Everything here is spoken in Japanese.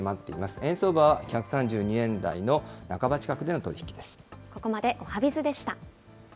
円相場は１３２円台の半ば近くの動きです。